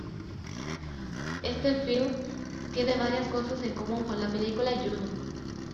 Este film tiene varias cosas en común con la película "Juno".